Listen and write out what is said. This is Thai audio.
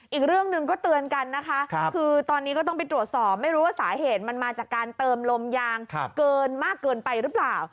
อีกเรื่องหนึ่งก็เตือนกันนะคะคือตอนนี้ก็ต้องไปตรวจสอบไม่รู้ว่าสาเหตุมันมาจากการเติมลมยางเกินมากเกินไปหรือเปล่า